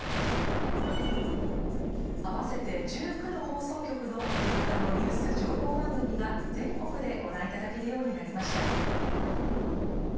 合わせて１９の放送局の夕方のニュース情報番組が全国でご覧いただけるようになりました。